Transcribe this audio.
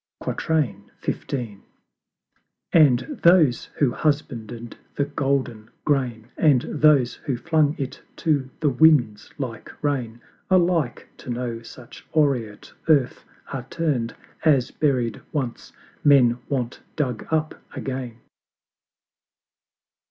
XV. And those who husbanded the Golden grain, And those who flung it to the winds like Rain, Alike to no such aureate Earth are turn'd As, buried once, Men want dug up again.